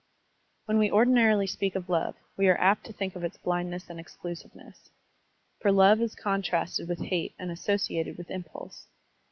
When we ordinarily speak of love, we are apt to think of its blindness and exclusiveness. For love is contrasted with hate and associated with impulse.